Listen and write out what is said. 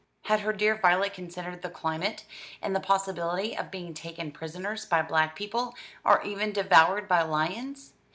Had her dear Violet considered the climate, and the possibility of being taken prisoners by black people, or even devoured by lions?